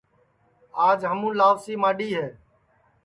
آج ہمُون لاؤسی ماڈؔی ہے